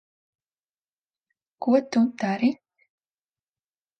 Ko tu dari?